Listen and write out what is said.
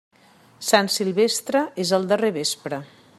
Sant Silvestre és el darrer vespre.